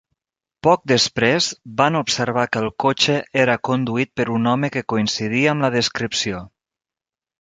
Poc després, van observar que el cotxe era conduït per un home que coincidia amb la descripció.